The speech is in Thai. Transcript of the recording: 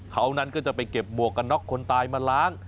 เขานั้นก็จะไปเก็บหมวกกันน็อกคนตายมาล้าง